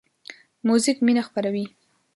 موزیک مینه خپروي.